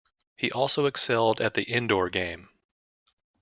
He also excelled at the indoor game.